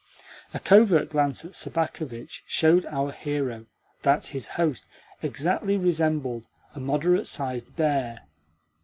A covert glance at Sobakevitch showed our hero that his host exactly resembled a moderate sized bear.